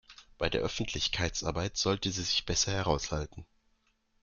Bei der Öffentlichkeitsarbeit sollte sie sich besser heraushalten.